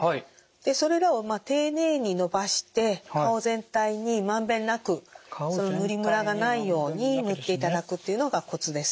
でそれらを丁寧に伸ばして顔全体に満遍なく塗りむらがないように塗っていただくっていうのがコツです。